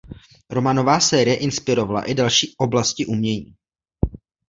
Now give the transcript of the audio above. Románová série inspirovala i další oblasti umění.